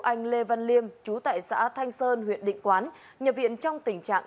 anh lê văn liêm chú tại xã thanh sơn huyện định quán nhập viện trong tình trạng